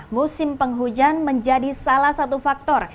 musim penghujan menjadi salah satu faktor